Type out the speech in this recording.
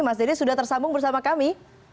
mas dede sudah tersambung bersama kami